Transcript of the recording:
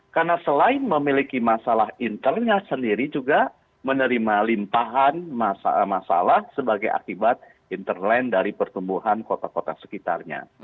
karena selain memiliki masalah interline sendiri juga menerima limpahan masalah sebagai akibat interline dari pertumbuhan kota kota sekitarnya